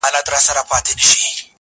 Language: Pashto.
وروسته له ده د چا نوبت وو رڼا څه ډول وه.